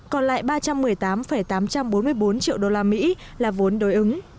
còn lại ba trăm một mươi tám tám trăm bốn mươi bốn triệu đô la mỹ là vốn đối ứng